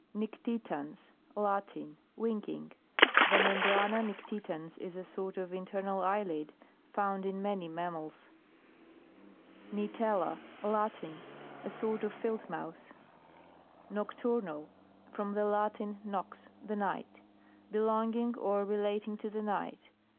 NICTITANS. Latin. Winking. The membrana nictitans, is a sort of internal eyelid, found in many mammals. NITELA. Latin, mouse. A sort of Field NOCTURNAL. From the Latin, nox t the night. Belonging or relating to the night.